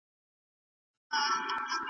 زدهکوونکي د ښوونځي له خوا د نظم سیستم پیژني.